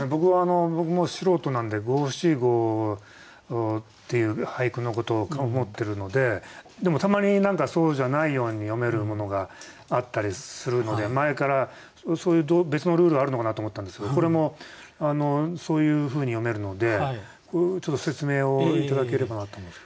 僕も素人なんで五七五っていう俳句のことを思ってるのででもたまにそうじゃないように読めるものがあったりするので前からそういう別のルールあるのかなと思ったんですけどこれもそういうふうに読めるので説明を頂ければなと思います。